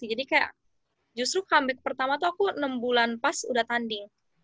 jadi kayak justru comeback pertama tuh aku enam bulan pas udah tanding